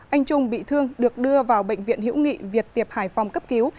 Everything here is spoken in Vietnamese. anh trung bị thương được đưa vào bệnh viện hiễu nghị việt tiệp hải phòng cấp cứu